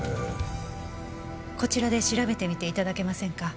こちらで調べてみて頂けませんか？